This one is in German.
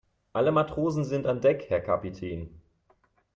Alle Matrosen sind an Deck, Herr Kapitän.